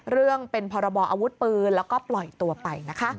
เรื่องเป็นพรบออาวุธปืนแล้วก็ปล่อยตัวไปนะคะ